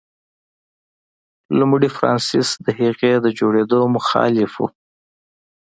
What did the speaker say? لومړي فرانسیس د هغې د جوړېدو مخالف و.